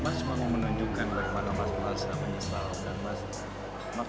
mas mau menunjukkan bagaimana mas merasa menyesal